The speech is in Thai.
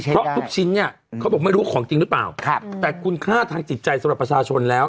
เพราะทุกชิ้นเนี่ยเขาบอกไม่รู้ของจริงหรือเปล่าแต่คุณค่าทางจิตใจสำหรับประชาชนแล้ว